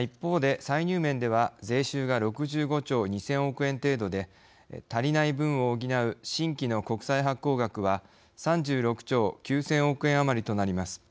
一方で、歳入面では税収が６５兆２０００億円程度で足りない分を補う新規の国債発行額は３６兆９０００億円余りとなります。